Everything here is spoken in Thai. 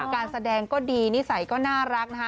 การแสดงก็ดีนิสัยก็น่ารักนะคะ